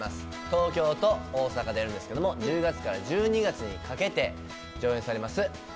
東京と大阪でやるんですけれども、１０月から１２月にかけて上演されます